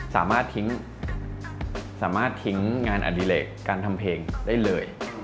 สามารถทิ้งงานอดิเลกการทำเพลงได้เลย